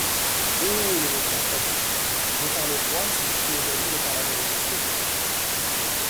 Oh ! le méchant peuple ! De par le Roi signifie aujourd'hui de par la Révolution.